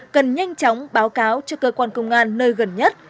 cần nhanh chóng báo cáo cho cơ quan công an nơi gần nhất